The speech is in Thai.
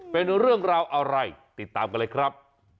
เป็นเรื่องราวอะไรติดตามกันเลยครับ